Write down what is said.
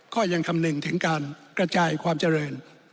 ก็ยังคำนึงถึงการกระจายความเจริญ